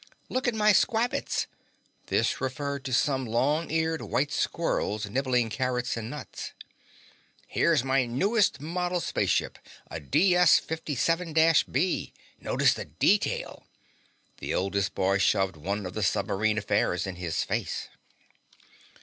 "Look at my squabbits." This referred to some long eared white squirrels nibbling carrots and nuts. "Here's my newest model spaceship, a DS 57 B. Notice the detail." The oldest boy shoved one of the submarine affairs in his face.